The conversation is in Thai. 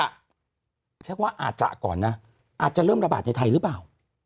ใช้ว่าอาจจะก่อนนะอาจจะเริ่มระบาดในไทยหรือเปล่า